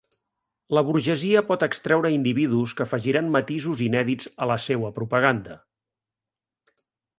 La burgesia pot extreure individus que afegiran matisos inèdits a la seua propaganda.